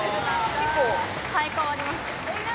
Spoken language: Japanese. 結構、生え変わります。